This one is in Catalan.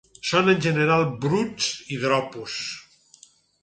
Són en general bruts i dropos.